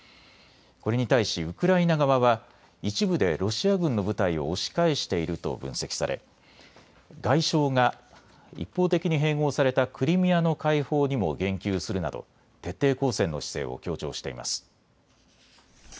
これに対しウクライナ側は一部でロシア軍の部隊を押し返していると分析され外相が一方的に併合されたクリミアの解放にも言及するなど徹底抗戦の姿勢を強調しています。